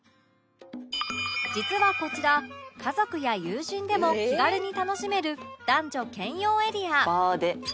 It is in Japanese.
実はこちら家族や友人でも気軽に楽しめる男女兼用エリア「バーデ」